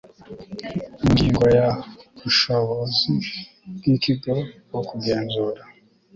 Ingingo ya Ubushobozi bw Ikigo bwo kugenzura